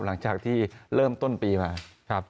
หลังจากที่เริ่มต้นปีมาครับ